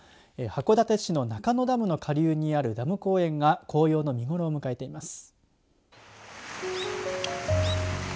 函館市の中野ダムの下流にあるダム公園が紅葉の見頃を迎えています。